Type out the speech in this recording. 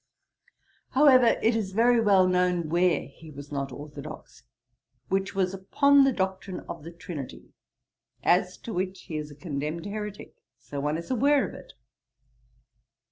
However, it is very well known where he was not orthodox, which was upon the doctrine of the Trinity, as to which he is a condemned heretick; so one is aware of it.'